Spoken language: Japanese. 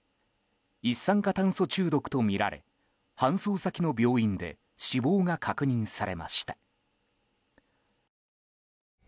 一酸化炭素中毒とみられ搬送先の病院で死亡が確認されました。